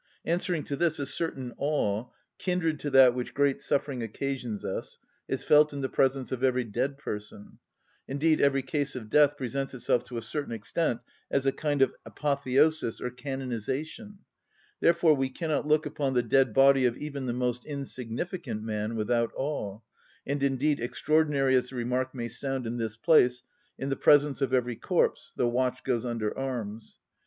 Answering to this, a certain awe, kindred to that which great suffering occasions us, is felt in the presence of every dead person, indeed every case of death presents itself to a certain extent as a kind of apotheosis or canonisation; therefore we cannot look upon the dead body of even the most insignificant man without awe, and indeed, extraordinary as the remark may sound in this place, in the presence of every corpse the watch goes under arms.